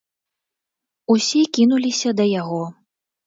Усе кінуліся да яго.